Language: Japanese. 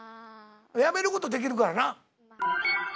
やめることできるからな。